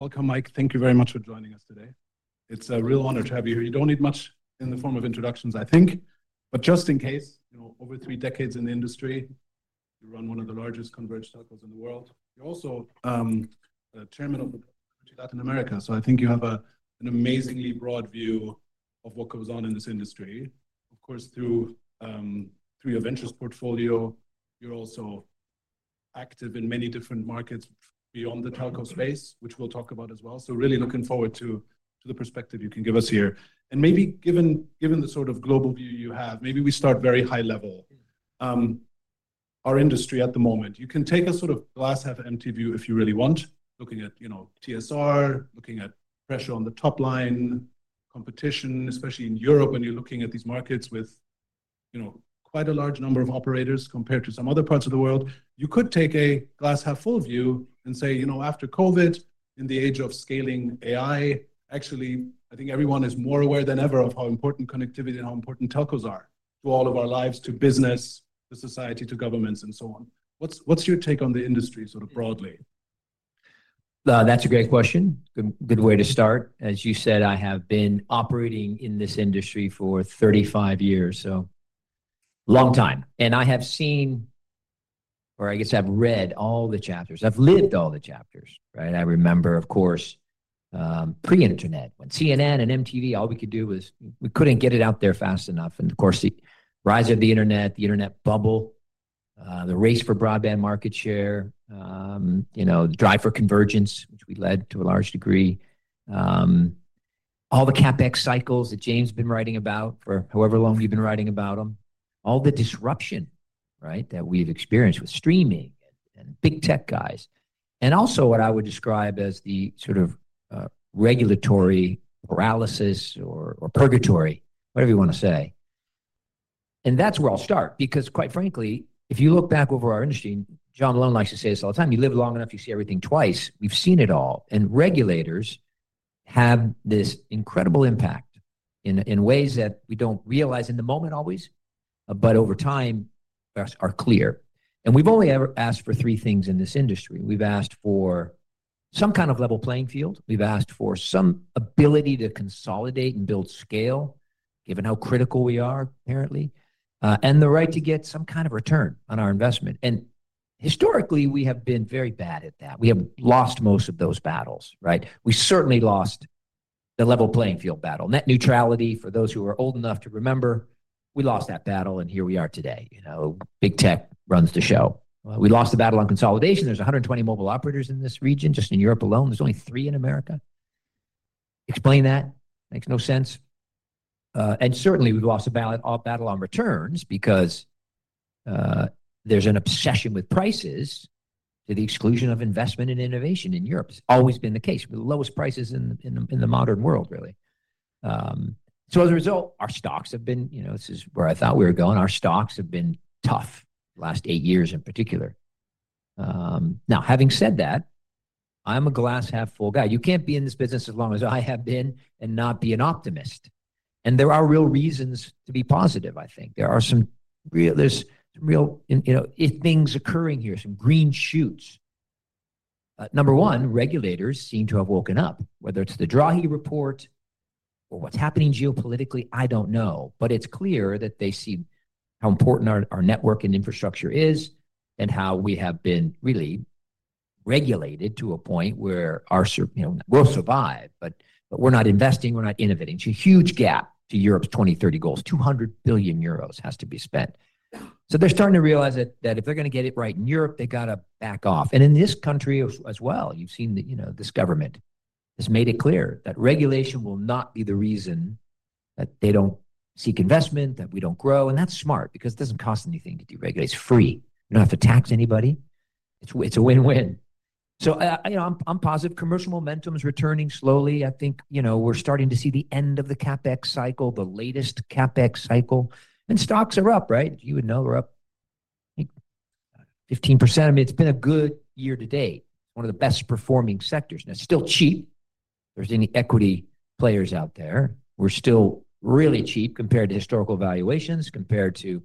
Welcome, Mike. Thank you very much for joining us today. It's a real honor to have you here. You don't need much in the form of introductions, I think. But just in case, you know, over three decades in the industry, you run one of the largest converged telcos in the world. You're also Chairman of Liberty Latin America, so I think you have an amazingly broad view of what goes on in this industry. Of course, through your ventures portfolio, you're also active in many different markets beyond the telco space, which we'll talk about as well. Really looking forward to the perspective you can give us here. Maybe given the sort of global view you have, maybe we start very high level. Our industry at the moment, you can take a sort of glass-half-empty view if you really want, looking at, you know, TSR, looking at pressure on the top line, competition, especially in Europe when you're looking at these markets with, you know, quite a large number of operators compared to some other parts of the world. You could take a glass-half-full view and say, you know, after COVID, in the age of scaling AI, actually, I think everyone is more aware than ever of how important connectivity and how important telcos are to all of our lives, to business, to society, to governments, and so on. What's your take on the industry sort of broadly? That's a great question. Good way to start. As you said, I have been operating in this industry for 35 years, so a long time. I have seen, or I guess I've read all the chapters. I've lived all the chapters, right? I remember, of course, pre-Internet, when CNN and MTV, all we could do was we couldn't get it out there fast enough. Of course, the rise of the Internet, the Internet bubble, the race for broadband market share, you know, the drive for convergence, which we led to a large degree, all the CapEx cycles that James has been writing about for however long you've been writing about them, all the disruption, right, that we've experienced with streaming and Big Tech guys, and also what I would describe as the sort of regulatory paralysis or purgatory, whatever you want to say. That's where I'll start, because quite frankly, if you look back over our industry, John Malone likes to say this all the time, you live long enough, you see everything twice. We've seen it all. Regulators have this incredible impact in ways that we don't realize in the moment always, but over time are clear. We've only asked for three things in this industry. We've asked for some kind of level playing field. We've asked for some ability to consolidate and build scale, given how critical we are, apparently, and the right to get some kind of return on our investment. Historically, we have been very bad at that. We have lost most of those battles, right? We certainly lost the level playing field battle. Net neutrality, for those who are old enough to remember, we lost that battle, and here we are today. You know, Big Tech runs the show. We lost the battle on consolidation. There are 120 mobile operators in this region. Just in Europe alone, there are only three in America. Explain that. Makes no sense. Certainly, we have lost a battle on returns because there is an obsession with prices to the exclusion of investment and innovation in Europe. It has always been the case with the lowest prices in the modern world, really. As a result, our stocks have been, you know, this is where I thought we were going. Our stocks have been tough the last eight years in particular. Now, having said that, I am a glass-half-full guy. You cannot be in this business as long as I have been and not be an optimist. There are real reasons to be positive, I think. There are some real, you know, things occurring here, some green shoots. Number one, regulators seem to have woken up. Whether it's the Draghi report or what's happening geopolitically, I don't know. But it's clear that they see how important our network and infrastructure is and how we have been really regulated to a point where our, you know, we'll survive, but we're not investing, we're not innovating. It's a huge gap to Europe's 2030 goals. 200 billion euros has to be spent. They're starting to realize that if they're going to get it right in Europe, they've got to back off. In this country as well, you've seen that, you know, this government has made it clear that regulation will not be the reason that they don't seek investment, that we don't grow. That's smart because it doesn't cost anything to deregulate. It's free. You don't have to tax anybody. It's a win-win. You know, I'm positive commercial momentum is returning slowly. I think, you know, we're starting to see the end of the CapEx cycle, the latest CapEx cycle. Stocks are up, right? You would know they're up 15%. I mean, it's been a good year to date. It's one of the best performing sectors. It's still cheap. If there's any equity players out there, we're still really cheap compared to historical valuations, compared to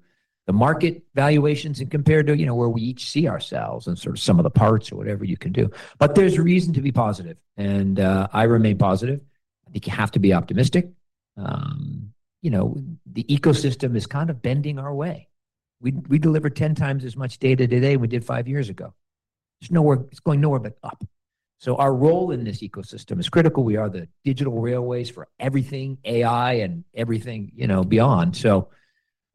the market valuations, and compared to, you know, where we each see ourselves and sort of some of the parts or whatever you can do. There's a reason to be positive. I remain positive. I think you have to be optimistic. You know, the ecosystem is kind of bending our way. We deliver 10x as much data today than we did five years ago. There's nowhere, it's going nowhere but up. Our role in this ecosystem is critical. We are the digital railways for everything, AI and everything, you know, beyond.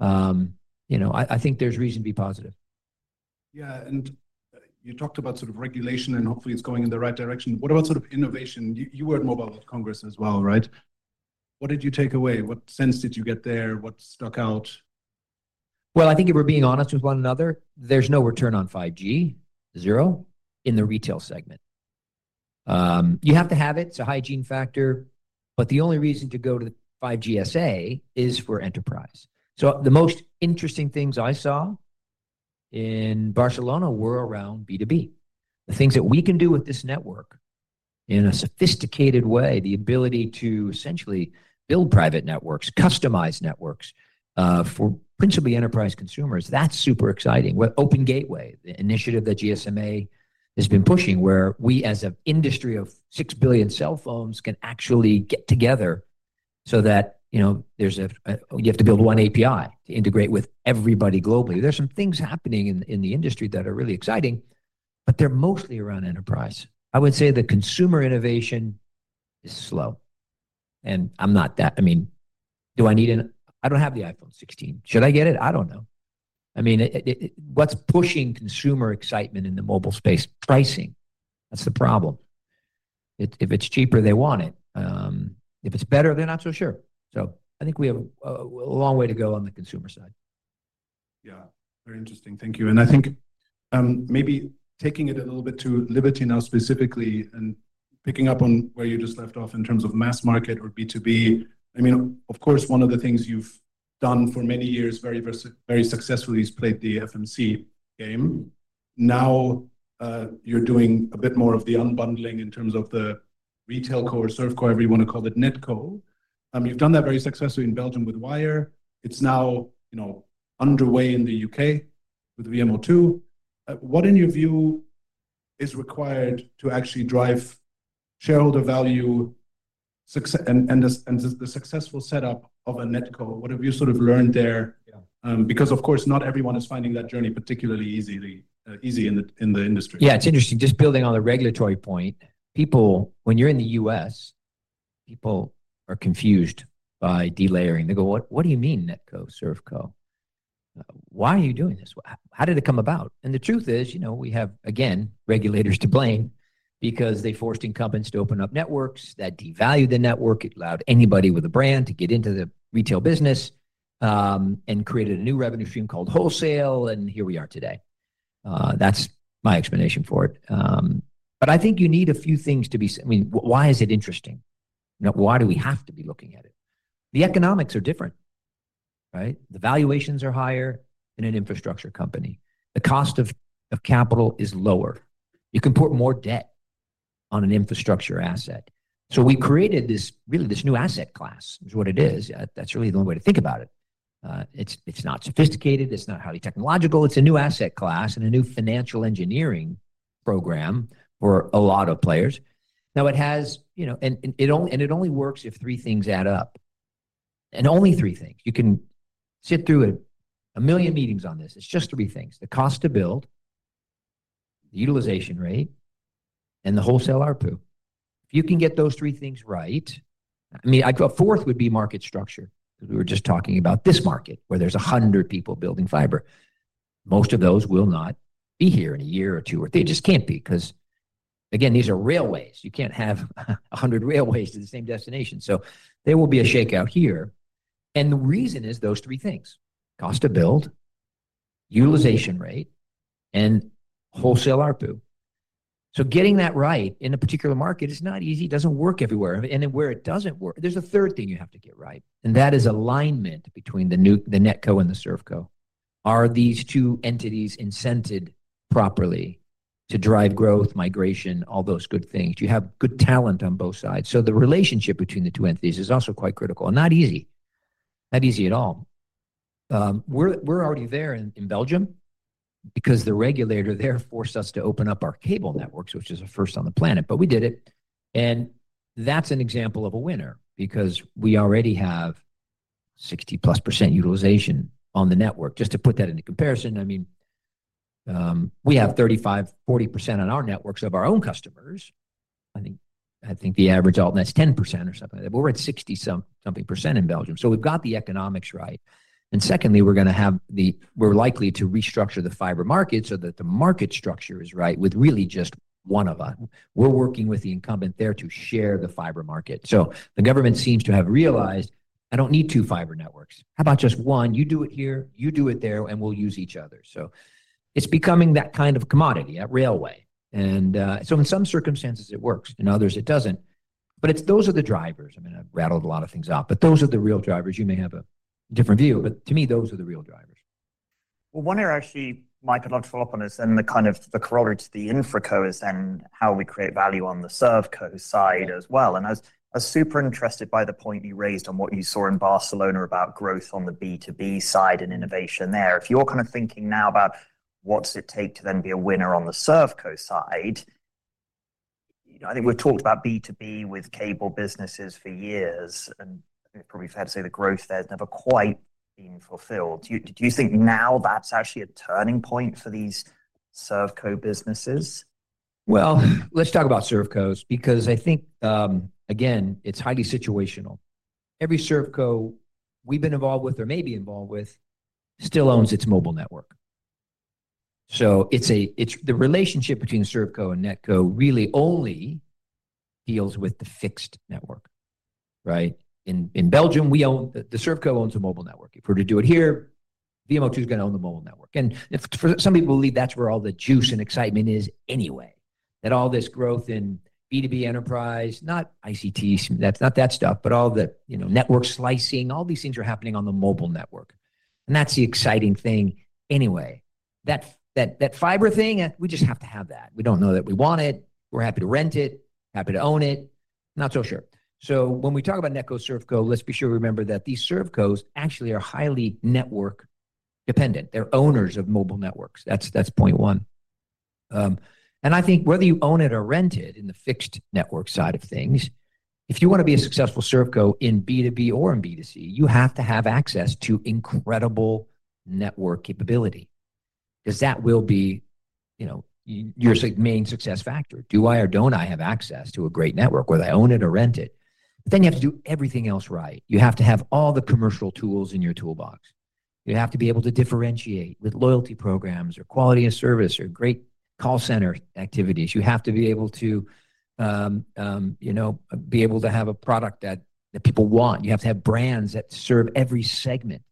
I think there's reason to be positive. Yeah. You talked about sort of regulation and hopefully it's going in the right direction, what about sort of innovation? You were at Mobile World Congress as well, right? What did you take away? What sense did you get there? What stuck out? I think if we're being honest with one another, there's no return on 5G, zero in the retail segment. You have to have it. It's a hygiene factor. The only reason to go to 5G SA is for enterprise. The most interesting things I saw in Barcelona were around B2B. The things that we can do with this network in a sophisticated way, the ability to essentially build private networks, customize networks for principally enterprise consumers, that's super exciting. With Open Gateway, the initiative that GSMA has been pushing, where we as an industry of 6 billion cell phones can actually get together so that, you know, you have to build one API to integrate with everybody globally. There are some things happening in the industry that are really exciting, but they're mostly around enterprise. I would say the consumer innovation is slow. I'm not that, I mean, do I need an, I don't have the iPhone 16. Should I get it? I don't know. I mean, what's pushing consumer excitement in the mobile space? Pricing. That's the problem. If it's cheaper, they want it. If it's better, they're not so sure. I think we have a long way to go on the consumer side. Yeah. Very interesting. Thank you. I think maybe taking it a little bit to Liberty now specifically and picking up on where you just left off in terms of mass market or B2B, I mean, of course, one of the things you've done for many years very successfully is played the FMC game. Now you're doing a bit more of the unbundling in terms of the RetailCo or ServCo, everyone will call it NetCo. You've done that very successfully in Belgium with Wyre. It's now, you know, underway in the U.K. with VMO2. What in your view is required to actually drive shareholder value and the successful setup of a NetCo? What have you sort of learned there? Because of course, not everyone is finding that journey particularly easily easy in the industry. Yeah, it's interesting. Just building on the regulatory point, people, when you're in the U.S., people are confused by delayering. They go, "What do you mean NetCo, ServCo? Why are you doing this? How did it come about?" The truth is, you know, we have, again, regulators to blame because they forced incumbents to open up networks that devalued the network, allowed anybody with a brand to get into the retail business, and created a new revenue stream called wholesale, and here we are today. That's my explanation for it. I think you need a few things to be, I mean, why is it interesting? Why do we have to be looking at it? The economics are different, right? The valuations are higher in an infrastructure company. The cost of capital is lower. You can put more debt on an infrastructure asset. We created this, really, this new asset class, is what it is. That's really the only way to think about it. It's not sophisticated. It's not highly technological. It's a new asset class and a new financial engineering program for a lot of players. Now it has, you know, and it only works if three things add up. Only three things. You can sit through a million meetings on this. It's just three things: the cost to build, the utilization rate, and the wholesale ARPU. If you can get those three things right, I mean, a fourth would be market structure. We were just talking about this market where there's 100 people building fiber. Most of those will not be here in a year or two, or they just can't be because, again, these are railways. You can't have 100 railways to the same destination. There will be a shakeout here. The reason is those three things: cost to build, utilization rate, and wholesale ARPU. Getting that right in a particular market is not easy. It does not work everywhere. Where it does not work, there is a third thing you have to get right. That is alignment between the NetCo and the ServCo. Are these two entities incented properly to drive growth, migration, all those good things? You have good talent on both sides. The relationship between the two entities is also quite critical and not easy. Not easy at all. We are already there in Belgium because the regulator there forced us to open up our cable networks, which is the first on the planet, but we did it. That is an example of a winner because we already have 60%+ utilization on the network. Just to put that into comparison, I mean, we have 35%-40% on our networks of our own customers. I think the average altnet's 10% or something. We're at 60%-something in Belgium. We have got the economics right. Secondly, we're going to have the, we're likely to restructure the fiber market so that the market structure is right with really just one of us. We're working with the incumbent there to share the fiber market. The government seems to have realized, "I don't need two fiber networks. How about just one? You do it here, you do it there, and we'll use each other." It is becoming that kind of commodity at railway. In some circumstances, it works. In others, it doesn't. Those are the drivers. I mean, I've rattled a lot of things off, but those are the real drivers. You may have a different view, but to me, those are the real drivers. One area actually, Mike, I'd like to follow up on this and the kind of the corollary to the InfraCo is then how we create value on the ServCo side as well. I was super interested by the point you raised on what you saw in Barcelona about growth on the B2B side and innovation there. If you're kind of thinking now about what's it take to then be a winner on the ServCo side, you know, I think we've talked about B2B with cable businesses for years and probably have to say the growth there has never quite been fulfilled. Do you think now that's actually a turning point for these ServCo businesses? Let's talk about ServCo because I think, again, it's highly situational. Every ServCo we've been involved with or may be involved with still owns its mobile network. So it's the relationship between ServCo and NetCo really only deals with the fixed network, right? In Belgium, we own, the ServCo owns a mobile network. If we were to do it here, VMO2 is going to own the mobile network. Some people believe that's where all the juice and excitement is anyway, that all this growth in B2B enterprise, not ICT, that's not that stuff, but all the, you know, network slicing, all these things are happening on the mobile network. That's the exciting thing anyway. That fiber thing, we just have to have that. We don't know that we want it. We're happy to rent it, happy to own it. Not so sure. When we talk about NetCo ServCo, let's be sure we remember that these ServCos actually are highly network dependent. They're owners of mobile networks. That's point one. I think whether you own it or rent it in the fixed network side of things, if you want to be a successful ServCo in B2B or in B2C, you have to have access to incredible network capability because that will be, you know, your main success factor. Do I or don't I have access to a great network? Whether I own it or rent it. You have to do everything else right. You have to have all the commercial tools in your toolbox. You have to be able to differentiate with loyalty programs or quality of service or great call center activities. You have to be able to, you know, be able to have a product that people want. You have to have brands that serve every segment.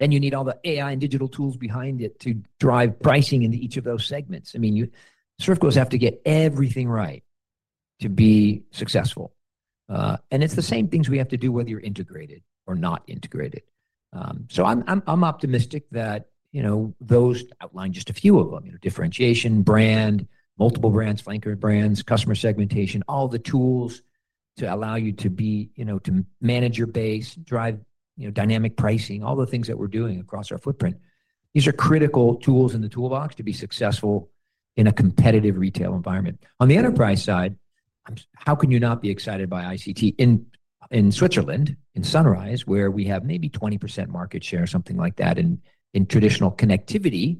Then you need all the AI and digital tools behind it to drive pricing into each of those segments. I mean, ServCos have to get everything right to be successful. It is the same things we have to do whether you're integrated or not integrated. I am optimistic that, you know, those outline just a few of them, you know, differentiation, brand, multiple brands, flanker brands, customer segmentation, all the tools to allow you to be, you know, to manage your base, drive, you know, dynamic pricing, all the things that we're doing across our footprint. These are critical tools in the toolbox to be successful in a competitive retail environment. On the enterprise side, how can you not be excited by ICT? In Switzerland, in Sunrise, where we have maybe 20% market share, something like that in traditional connectivity,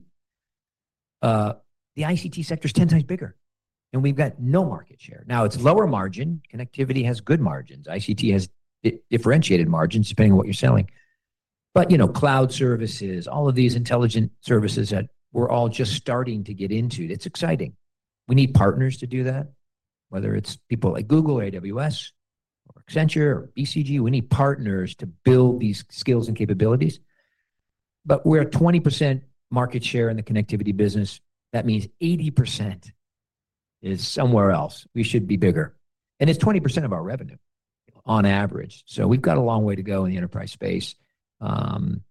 the ICT sector is 10x bigger and we've got no market share. Now it's lower margin. Connectivity has good margins. ICT has differentiated margins depending on what you're selling. But, you know, cloud services, all of these intelligent services that we're all just starting to get into. It's exciting. We need partners to do that, whether it's people like Google, AWS, or Accenture, or BCG. We need partners to build these skills and capabilities. But we're at 20% market share in the connectivity business. That means 80% is somewhere else. We should be bigger. And it's 20% of our revenue on average, so we've got a long way to go in the enterprise space. When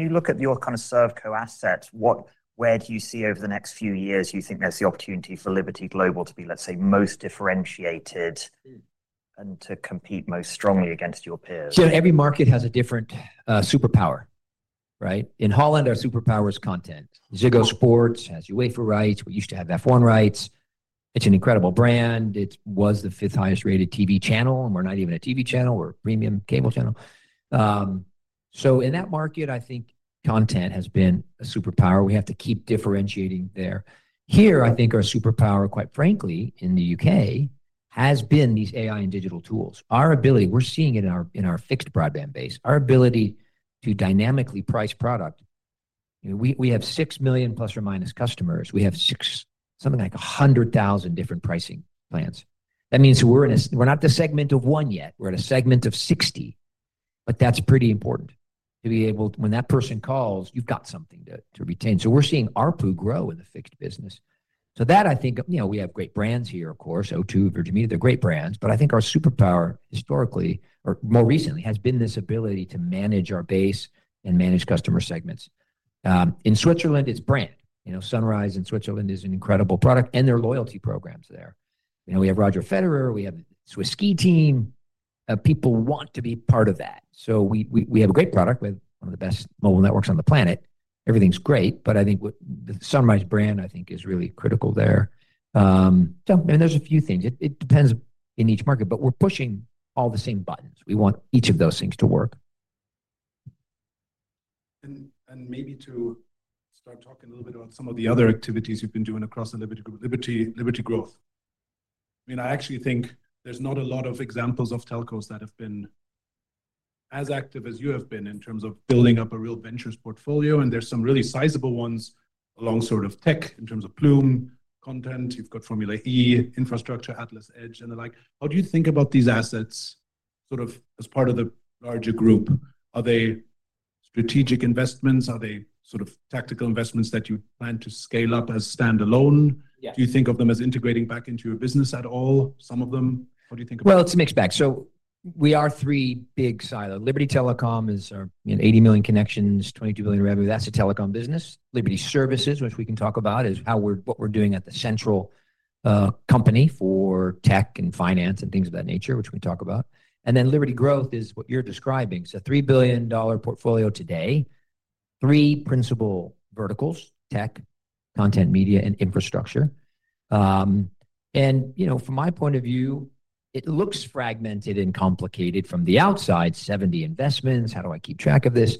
you look at your kind of ServCo assets, what, where do you see over the next few years, you think there's the opportunity for Liberty Global to be, let's say, most differentiated and to compete most strongly against your peers? Every market has a different superpower, right? In Holland, our superpower is content. Ziggo Sport has UEFA rights. We used to have F1 rights. It's an incredible brand. It was the fifth highest rated TV channel. We're not even a TV channel. We're a premium cable channel. In that market, I think content has been a superpower. We have to keep differentiating there. Here, I think our superpower, quite frankly, in the U.K., has been these AI and digital tools. Our ability, we're seeing it in our fixed broadband base, our ability to dynamically price product. We have ±6 million customers. We have something like 100,000 different pricing plans. That means we're in a, we're not the segment of one yet. We're at a segment of 60, but that's pretty important to be able, when that person calls, you've got something to retain. We're seeing ARPU grow in the fixed business. I think, you know, we have great brands here, of course, O2, Virgin Media, they're great brands, but I think our superpower historically, or more recently, has been this ability to manage our base and manage customer segments. In Switzerland, it's brand. You know, Sunrise in Switzerland is an incredible product and their loyalty programs there. You know, we have Roger Federer, we have the Swiss ski team. People want to be part of that. We have a great product with one of the best mobile networks on the planet. Everything's great, but I think the Sunrise brand, I think, is really critical there. I mean, there's a few things. It depends in each market, but we're pushing all the same buttons. We want each of those things to work. Maybe to start talking a little bit about some of the other activities you've been doing across the Liberty Group, Liberty Growth. I mean, I actually think there's not a lot of examples of telcos that have been as active as you have been in terms of building up a real ventures portfolio, and there's some really sizable ones along sort of tech in terms of Plume, content. You've got Formula E, Infrastructure, AtlasEdge, and the like. How do you think about these assets sort of as part of the larger group? Are they strategic investments? Are they sort of tactical investments that you plan to scale up as standalone? Do you think of them as integrating back into your business at all, some of them? How do you think about it? It's a mixed bag. We are three big silos. Liberty Telecom is our 80 million connections, 22 billion revenue. That's a telecom business. Liberty Services, which we can talk about, is how we're, what we're doing at the central company for tech and finance and things of that nature, which we talk about. Liberty Growth is what you're describing. It's a $3 billion portfolio today, three principal verticals, tech, content, media, and infrastructure. You know, from my point of view, it looks fragmented and complicated from the outside, 70 investments. How do I keep track of this?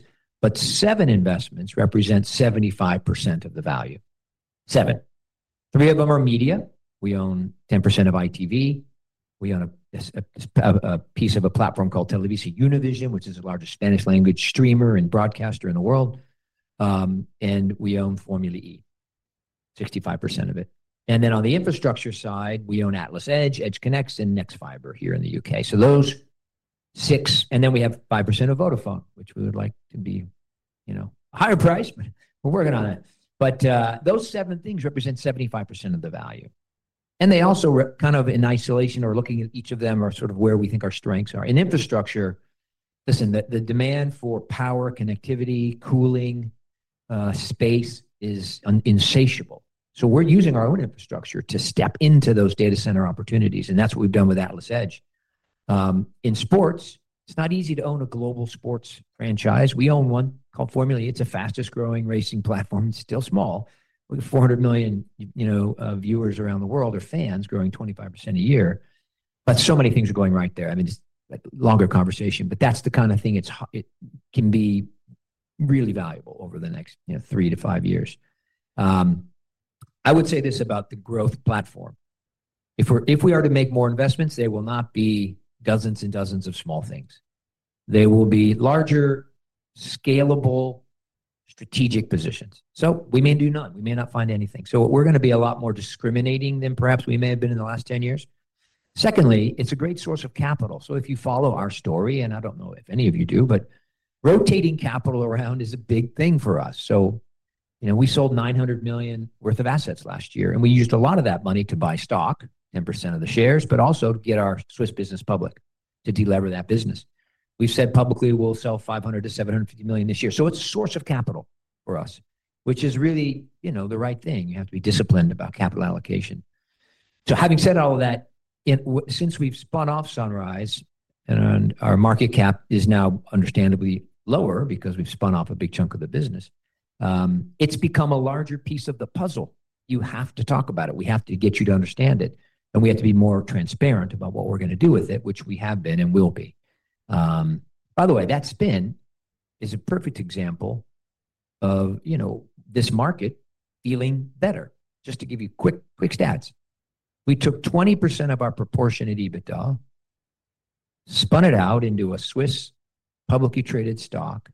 Seven investments represent 75% of the value. Seven. Three of them are media. We own 10% of ITV. We own a piece of a platform called TelevisaUnivision, which is the largest Spanish language streamer and broadcaster in the world. We own Formula E, 65% of it. On the infrastructure side, we own AtlasEdge, EdgeConneX, and nexfibre here in the U.K. Those six. We have 5% of Vodafone, which we would like to be, you know, a higher price, but we're working on it. Those seven things represent 75% of the value. They also kind of in isolation or looking at each of them are sort of where we think our strengths are. In infrastructure, listen, the demand for power, connectivity, cooling, space is insatiable. We are using our own infrastructure to step into those data center opportunities. That is what we have done with AtlasEdge. In sports, it is not easy to own a global sports franchise. We own one called Formula E. It is a fastest growing racing platform. It is still small. We have 400 million, you know, viewers around the world or fans growing 25% a year. But so many things are going right there. I mean, it's a longer conversation, but that's the kind of thing it can be really valuable over the next three to five years. I would say this about the growth platform. If we are to make more investments, they will not be dozens and dozens of small things. They will be larger, scalable, strategic positions. We may do none. We may not find anything. We are going to be a lot more discriminating than perhaps we may have been in the last 10 years. Secondly, it's a great source of capital. If you follow our story, and I don't know if any of you do, rotating capital around is a big thing for us. You know, we sold 900 million worth of assets last year, and we used a lot of that money to buy stock, 10% of the shares, but also to get our Swiss business public to deliver that business. We've said publicly we'll sell 500 million-750 million this year. It is a source of capital for us, which is really, you know, the right thing. You have to be disciplined about capital allocation. Having said all of that, since we've spun off Sunrise and our market cap is now understandably lower because we've spun off a big chunk of the business, it has become a larger piece of the puzzle. You have to talk about it. We have to get you to understand it. We have to be more transparent about what we're going to do with it, which we have been and will be. By the way, that spin is a perfect example of, you know, this market feeling better. Just to give you quick, quick stats, we took 20% of our proportionate EBITDA, spun it out into a Swiss publicly traded stock,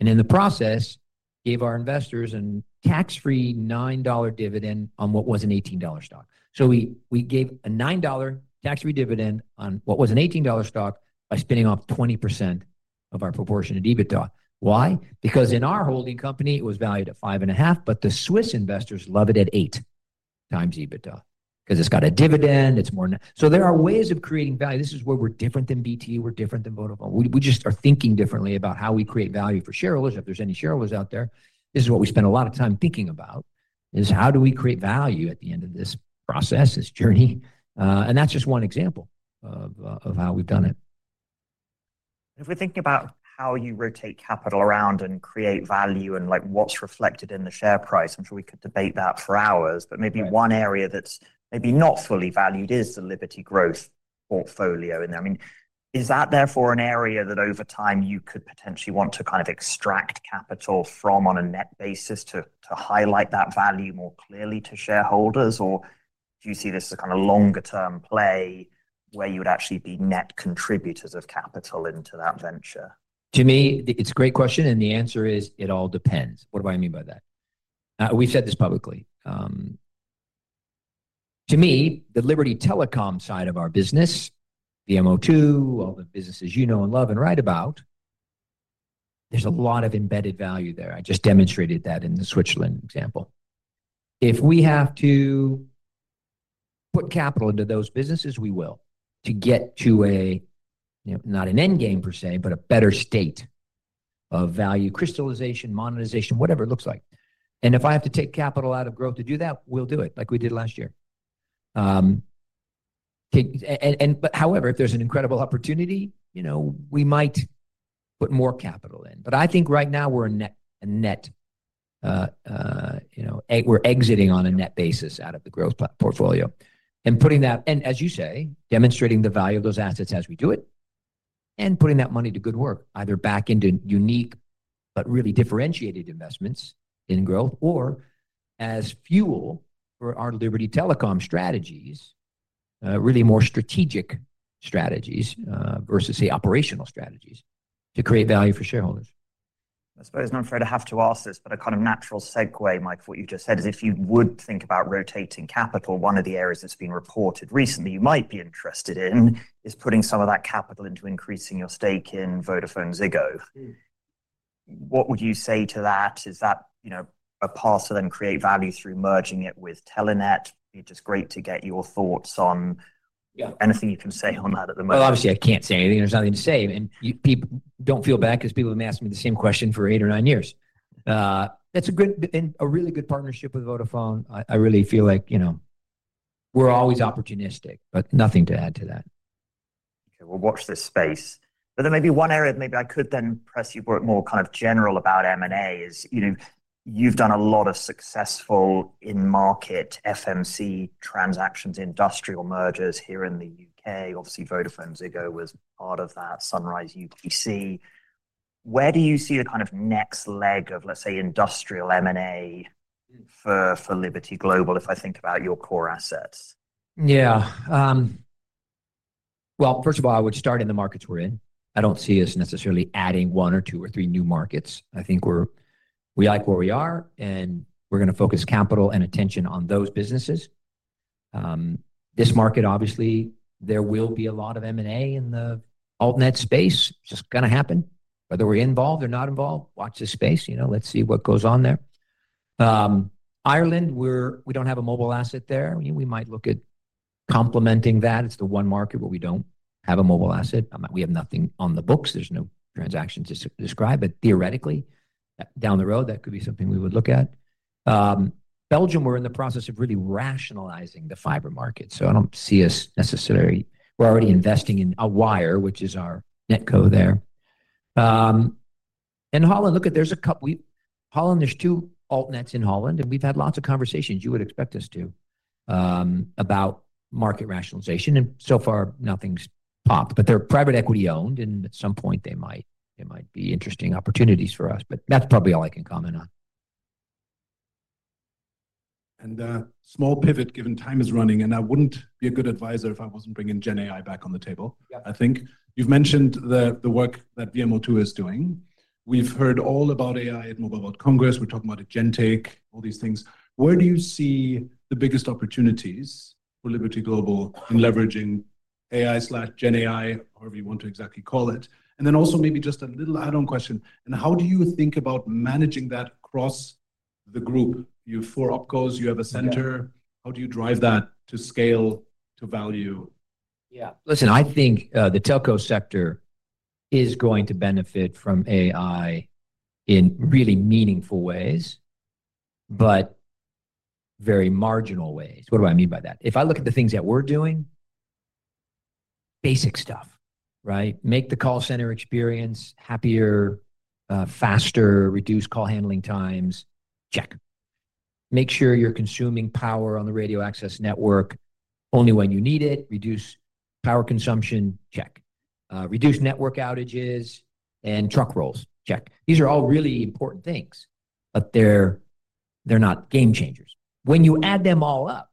and in the process gave our investors a tax-free $9 dividend on what was an $18 stock. We gave a $9 tax-free dividend on what was an $18 stock by spinning off 20% of our proportionate EBITDA. Why? Because in our holding company, it was valued at five and a half, but the Swiss investors love it at eight times EBITDA because it's got a dividend. It's more. There are ways of creating value. This is where we're different than BT. We're different than Vodafone. We just are thinking differently about how we create value for shareholders. If there's any shareholders out there, this is what we spend a lot of time thinking about, is how do we create value at the end of this process, this journey? That's just one example of how we've done it. If we're thinking about how you rotate capital around and create value and like what's reflected in the share price, I'm sure we could debate that for hours, but maybe one area that's maybe not fully valued is the Liberty Growth portfolio in there. I mean, is that therefore an area that over time you could potentially want to kind of extract capital from on a net basis to highlight that value more clearly to shareholders? Or do you see this as kind of a longer-term play where you would actually be net contributors of capital into that venture? To me, it's a great question, and the answer is it all depends. What do I mean by that? We've said this publicly. To me, the Liberty Telecom side of our business, VMO2, all the businesses you know and love and write about, there's a lot of embedded value there. I just demonstrated that in the Switzerland example. If we have to put capital into those businesses, we will to get to a, you know, not an end game per se, but a better state of value, crystallization, monetization, whatever it looks like. If I have to take capital out of growth to do that, we'll do it like we did last year. However, if there's an incredible opportunity, you know, we might put more capital in. I think right now we're a net, you know, we're exiting on a net basis out of the growth portfolio and putting that, and as you say, demonstrating the value of those assets as we do it and putting that money to good work, either back into unique, but really differentiated investments in growth or as fuel for our Liberty Telecom strategies, really more strategic strategies versus, say, operational strategies to create value for shareholders. I suppose not for to have to ask this, but a kind of natural segue, Mike, for what you just said is if you would think about rotating capital, one of the areas that's been reported recently you might be interested in is putting some of that capital into increasing your stake in VodafoneZiggo. What would you say to that? Is that, you know, a path to then create value through merging it with Telenet? It'd be just great to get your thoughts on anything you can say on that at the moment. Obviously I can't say anything. There's nothing to say. People don't feel bad because people have asked me the same question for eight or nine years. That's a good and a really good partnership with Vodafone. I really feel like, you know, we're always opportunistic, but nothing to add to that. Okay. We'll watch this space. There may be one area that maybe I could then press you more kind of general about M&A is, you know, you've done a lot of successful in-market FMC transactions, industrial mergers here in the U.K. Obviously, VodafoneZiggo was part of that, Sunrise UPC. Where do you see the kind of next leg of, let's say, industrial M&A for Liberty Global if I think about your core assets? Yeah. First of all, I would start in the markets we're in. I don't see us necessarily adding one or two or three new markets. I think we like where we are and we're going to focus capital and attention on those businesses. This market, obviously, there will be a lot of M&A in the altnet space. It's just going to happen. Whether we're involved or not involved, watch this space. You know, let's see what goes on there. Ireland, we don't have a mobile asset there. We might look at complementing that. It's the one market where we don't have a mobile asset. We have nothing on the books. There's no transactions to describe, but theoretically, down the road, that could be something we would look at. Belgium, we're in the process of really rationalizing the fiber market. I do not see us necessarily, we are already investing in a Wyre, which is our NetCo there. In Holland, look at, there is a couple, Holland, there are two altnets in Holland and we have had lots of conversations, you would expect us to, about market rationalization. So far, nothing has popped, but they are private equity owned and at some point they might, they might be interesting opportunities for us, but that is probably all I can comment on. Small pivot given time is running and I would not be a good advisor if I was not bringing GenAI back on the table. I think you have mentioned the work that VMO2 is doing. We have heard all about AI at Mobile World Congress. We are talking about agentic, all these things. Where do you see the biggest opportunities for Liberty Global in leveraging AI/GenAI, however you want to exactly call it? Also maybe just a little add-on question. How do you think about managing that across the group? You have four opcos, you have a center. How do you drive that to scale, to value? Yeah. Listen, I think the telco sector is going to benefit from AI in really meaningful ways, but very marginal ways. What do I mean by that? If I look at the things that we're doing, basic stuff, right? Make the call center experience happier, faster, reduce call handling times, check. Make sure you're consuming power on the radio access network only when you need it, reduce power consumption, check. Reduce network outages and truck rolls, check. These are all really important things, but they're not game changers. When you add them all up,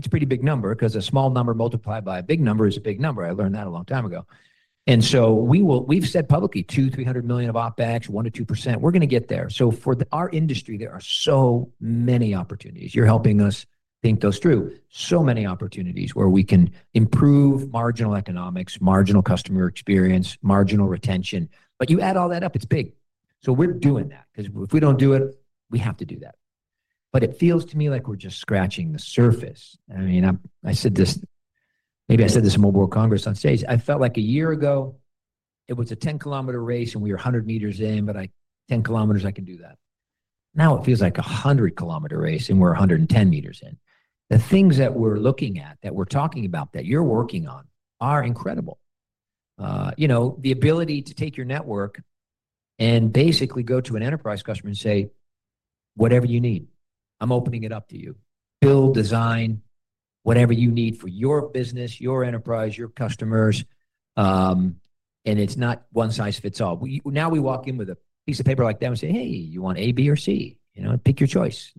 it's a pretty big number because a small number multiplied by a big number is a big number. I learned that a long time ago. We will, we've said publicly $200 million-$300 million of OpEx, 1%-2%. We're going to get there. For our industry, there are so many opportunities. You're helping us think those through. There are so many opportunities where we can improve marginal economics, marginal customer experience, marginal retention. You add all that up, it's big. We're doing that because if we don't do it, we have to do that. It feels to me like we're just scratching the surface. I mean, I said this, maybe I said this in Mobile World Congress on stage. I felt like a year ago it was a 10 km race and we were 100 m in, but 10 m, I can do that. Now it feels like a 100-km race and we're 110 m in. The things that we're looking at, that we're talking about, that you're working on are incredible. You know, the ability to take your network and basically go to an enterprise customer and say, whatever you need, I'm opening it up to you. Build, design, whatever you need for your business, your enterprise, your customers. It is not one size fits all. Now we walk in with a piece of paper like that and say, hey, you want A, B, or C? You know, pick your choice.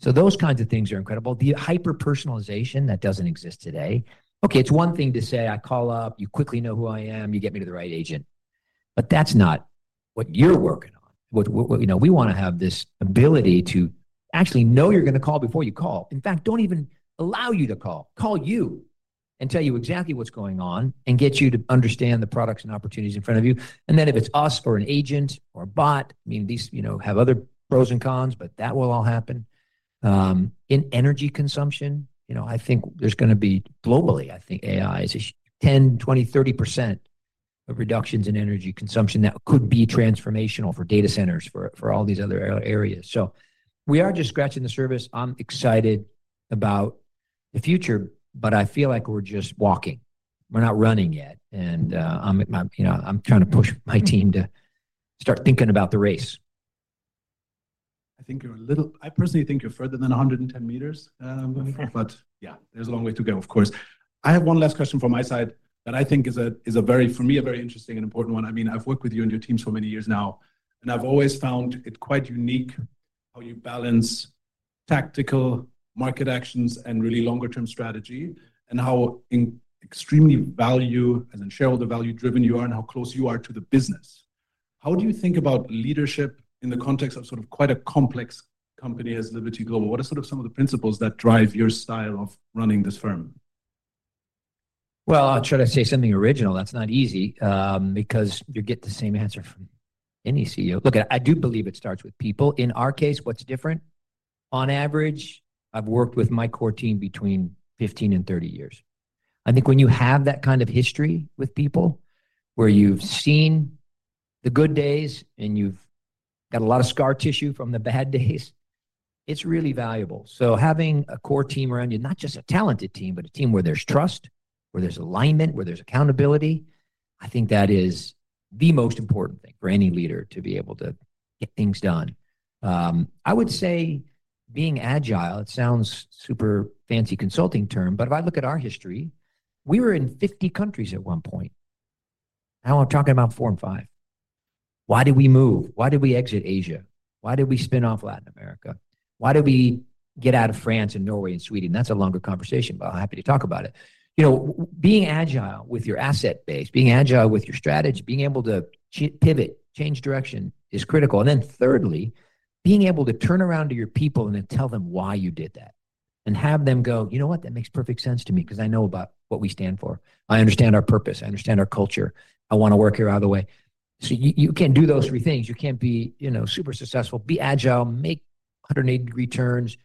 Those kinds of things are incredible. The hyper-personalization that does not exist today. Okay. It is one thing to say, I call up, you quickly know who I am, you get me to the right agent. That is not what you are working on. You know, we want to have this ability to actually know you are going to call before you call. In fact, do not even allow you to call. Call you and tell you exactly what is going on and get you to understand the products and opportunities in front of you. If it's us or an agent or a bot, I mean, these, you know, have other pros and cons, but that will all happen. In energy consumption, you know, I think there's going to be globally, I think AI is a 10%-20%-30% of reductions in energy consumption that could be transformational for data centers, for all these other areas. We are just scratching the surface. I'm excited about the future, but I feel like we're just walking. We're not running yet. I'm trying to push my team to start thinking about the race. I think you're a little, I personally think you're further than 110 m, but yeah, there's a long way to go, of course. I have one last question from my side that I think is a very, for me, a very interesting and important one. I mean, I've worked with you and your team so many years now, and I've always found it quite unique how you balance tactical market actions and really longer-term strategy and how extremely value and shareholder value-driven you are and how close you are to the business. How do you think about leadership in the context of sort of quite a complex company as Liberty Global? What are sort of some of the principles that drive your style of running this firm? I will try to say something original. That's not easy because you get the same answer from any CEO. Look, I do believe it starts with people. In our case, what's different? On average, I've worked with my core team between 15 and 30 years. I think when you have that kind of history with people where you've seen the good days and you've got a lot of scar tissue from the bad days, it's really valuable. Having a core team around you, not just a talented team, but a team where there's trust, where there's alignment, where there's accountability, I think that is the most important thing for any leader to be able to get things done. I would say being agile, it sounds super fancy consulting term, but if I look at our history, we were in 50 countries at one point. Now I'm talking about four and five. Why did we move? Why did we exit Asia? Why did we spin off Latin America? Why did we get out of France and Norway and Sweden? That's a longer conversation, but I'm happy to talk about it. You know, being agile with your asset base, being agile with your strategy, being able to pivot, change direction is critical. Thirdly, being able to turn around to your people and then tell them why you did that and have them go, you know what? That makes perfect sense to me because I know about what we stand for. I understand our purpose. I understand our culture. I want to work here out of the way. You can't do those three things. You can't be, you know, super successful, be agile, make 180-degree turns,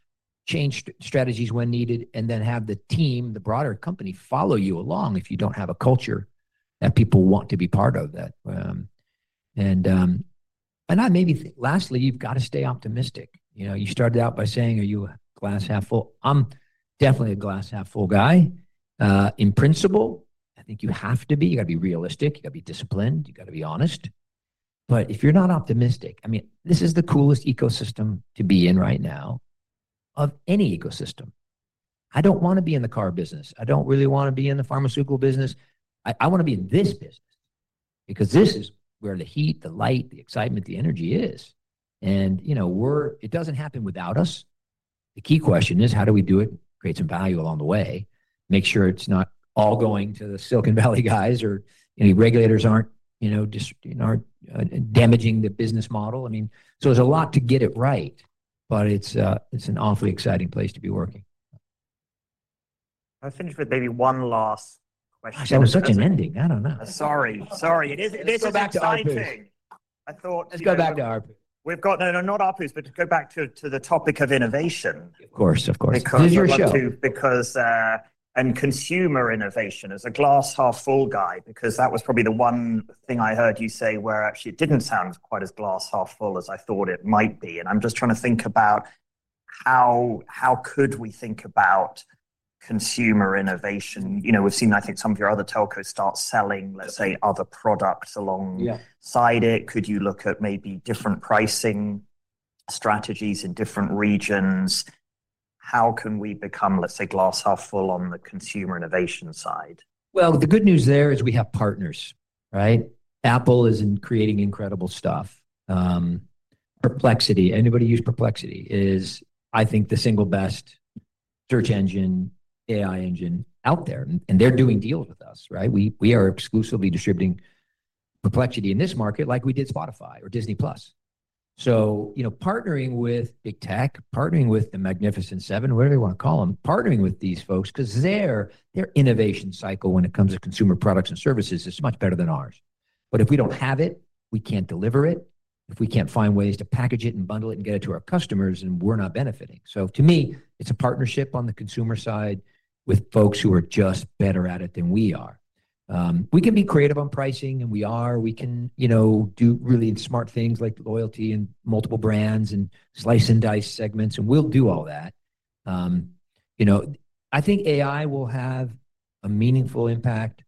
change strategies when needed, and then have the team, the broader company follow you along if you don't have a culture that people want to be part of that. I maybe think lastly, you've got to stay optimistic. You know, you started out by saying, are you a glass half full? I'm definitely a glass half full guy. In principle, I think you have to be, you got to be realistic, you got to be disciplined, you got to be honest. If you're not optimistic, I mean, this is the coolest ecosystem to be in right now of any ecosystem. I don't want to be in the car business. I don't really want to be in the pharmaceutical business. I want to be in this business because this is where the heat, the light, the excitement, the energy is. You know, it does not happen without us. The key question is how do we do it, create some value along the way, make sure it is not all going to the Silicon Valley guys or any regulators are not, you know, damaging the business model. I mean, there is a lot to get it right, but it is an awfully exciting place to be working. I'll finish with maybe one last question. That was such an ending. I don't know. Sorry, sorry. It is a science thing. I thought. Let's go back to our piece. We've got, no, not our piece, but to go back to the topic of innovation. Of course, of course. Because you're sure. And consumer innovation as a glass half full guy, because that was probably the one thing I heard you say where actually it didn't sound quite as glass half full as I thought it might be. I'm just trying to think about how could we think about consumer innovation? You know, we've seen, I think some of your other telcos start selling, let's say, other products alongside it. Could you look at maybe different pricing strategies in different regions? How can we become, let's say, glass half full on the consumer innovation side? The good news there is we have partners, right? Apple is creating incredible stuff. Perplexity, anybody use Perplexity, is, I think, the single best search engine, AI engine out there. And they're doing deals with us, right? We are exclusively distributing Perplexity in this market like we did Spotify or Disney+. You know, partnering with Big Tech, partnering with the Magnificent Seven, whatever you want to call them, partnering with these folks because their innovation cycle when it comes to consumer products and services is much better than ours. If we do not have it, we cannot deliver it. If we cannot find ways to package it and bundle it and get it to our customers, then we are not benefiting. To me, it is a partnership on the consumer side with folks who are just better at it than we are. We can be creative on pricing and we are. We can, you know, do really smart things like loyalty and multiple brands and slice and dice segments, and we'll do all that. You know, I think AI will have a meaningful impact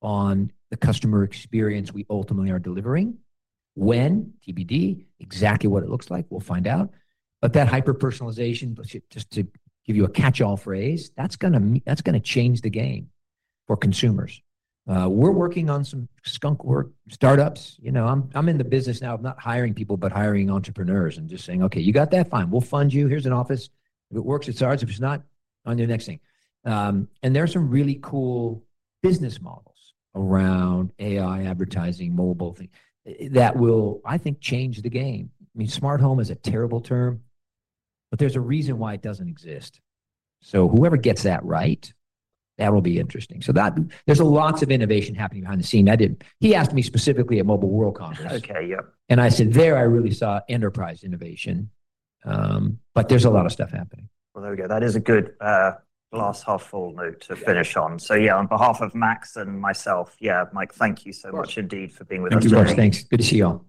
on the customer experience we ultimately are delivering. When TBD, exactly what it looks like, we'll find out. That hyper-personalization, just to give you a catch-all phrase, that's going to change the game for consumers. We're working on some skunkworks, startups. You know, I'm in the business now. I'm not hiring people, but hiring entrepreneurs and just saying, okay, you got that? Fine. We'll fund you. Here's an office. If it works, it's ours. If it's not, on your next thing. There are some really cool business models around AI advertising, mobile things that will, I think, change the game. I mean, smart home is a terrible term, but there's a reason why it doesn't exist. Whoever gets that right, that'll be interesting. There's lots of innovation happening behind the scene. He asked me specifically at Mobile World Congress. Okay, yep. I said there, I really saw enterprise innovation, but there's a lot of stuff happening. That is a good glass half full note to finish on. On behalf of Max and myself, Mike, thank you so much indeed for being with us today. Thank you very much. Thanks. Good to see you.